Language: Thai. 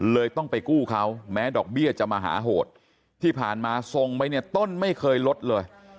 ต้องไปกู้เขาแม้ดอกเบี้ยจะมหาโหดที่ผ่านมาทรงไปเนี่ยต้นไม่เคยลดเลย